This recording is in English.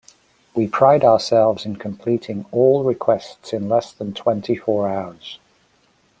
We pride ourselves in completing all requests in less than twenty four hours.